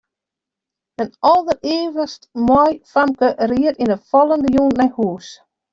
In alderivichst moai famke ried yn 'e fallende jûn nei hûs.